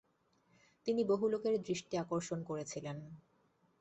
তিনি বহু লোকের দৃষ্টি আকর্ষণ করেছিলেন।